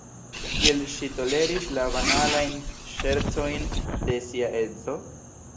Kiel ŝi toleris la banalajn ŝercojn de sia edzo?